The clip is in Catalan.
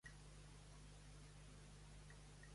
En el seu entorn es troba el punt més a nord de Portugal.